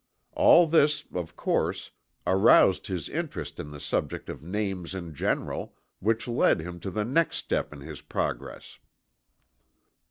All this, of course, aroused his interest in the subject of names in general, which led him to the next step in his progress.